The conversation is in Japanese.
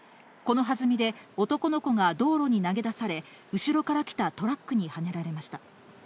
このはずみで、男の子が道路に投げ出され、後ろから来たトラックにはねられました。